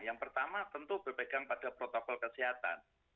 yang pertama tentu berpegang pada protokol kesehatan